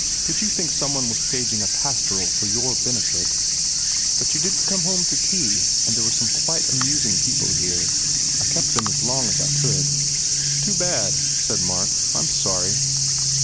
"Did you think some one was staging a pastoral for your benefit? But you didn t come home to tea and there were some quite amusing people here. I kept them as long as I could." "Too bad," said Mark, "I m sorry."